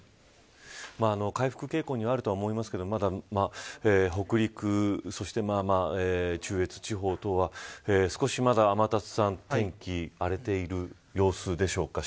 回復傾向にはあると思いますがまだ北陸、そして中越地方等は少しまだ、天達さん天気荒れている様子でしょうか。